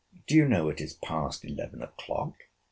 —Do you know it is past eleven o'clock?